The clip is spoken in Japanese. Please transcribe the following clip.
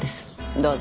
どうぞ。